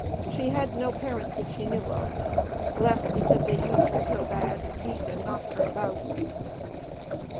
She had no parents that she knew of. Left because they used her "so bad, beat and knocked" her about.